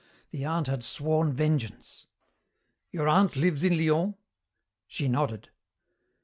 The aunt had sworn vengeance. "'Your aunt lives in Lyons?' "She nodded.